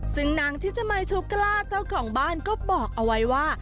ซึ่งนางทิศมัยชูกล้าเจ้าของบ้านก็บอกเอาไว้ว่า